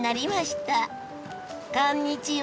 こんにちは。